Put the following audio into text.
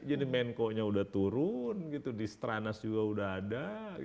jadi menko nya udah turun di stranas juga udah ada